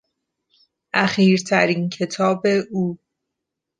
اخیرترین کتاب او